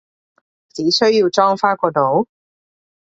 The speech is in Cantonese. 只需要裝返個腦？